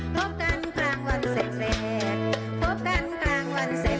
ดรคิฉันภันธ์สรรพฤษฎีเมืองเวชิค